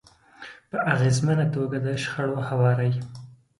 -په اغیزمنه توګه د شخړو هواری